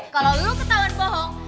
kalau lo ketahuan bohong